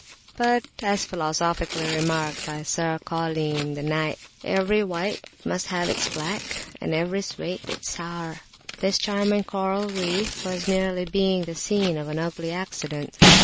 But as philosophically remarked by Sir Cauline the Knyghte "Every whyte must have its blacke, And every sweete its soure " this charming coral reef was nearly being the scene of an ugly accident.